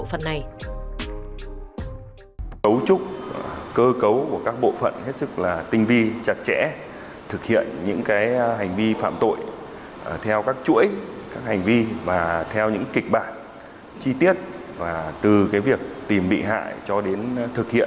hãy đăng ký kênh để ủng hộ kênh của mình nhé